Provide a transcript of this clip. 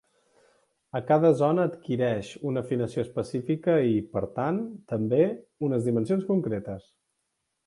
A cada zona adquireix una afinació específica i, per tant, també, unes dimensions concretes.